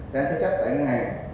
đang thế chấp tại ngân hàng